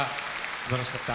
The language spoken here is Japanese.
すばらしかった。